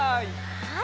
はい。